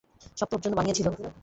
সব তোর জন্য বানিয়েছিল।